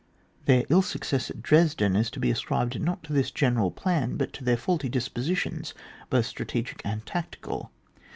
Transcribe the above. Their ill success at Dresden is to be ascribed not to this general plan but to their faulty dispositions both strategic and tactical.